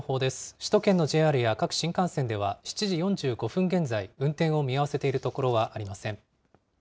首都圏のＪＲや各新幹線では、７時４５分現在、運転を見合わせているところはありません。